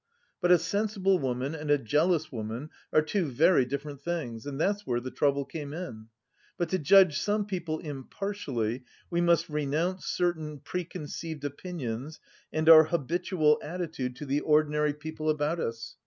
But a sensible woman and a jealous woman are two very different things, and that's where the trouble came in. But to judge some people impartially we must renounce certain preconceived opinions and our habitual attitude to the ordinary people about us.